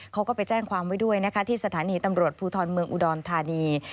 เขาก็ไปแจ้งความไว้ด้วยนะคะที่สถานีตำรวจภูทรเมืองอุดรธานี